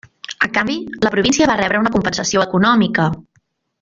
A canvi, la província va rebre una compensació econòmica.